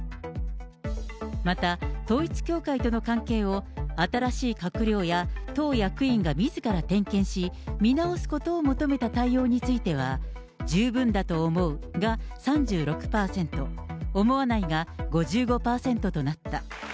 また、統一教会との関係を新しい閣僚や党役員がみずから点検し、見直すことを求めた対応については、十分だと思うが３６％、思わないが５５％となった。